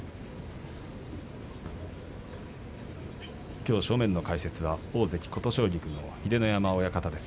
きょうは正面の解説は大関琴奨菊の秀ノ山親方です。